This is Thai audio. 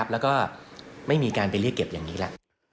แล้วก็ไม่มีการไปเรียกเก็บอย่างนี้แหละ